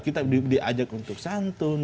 kita diajak untuk santun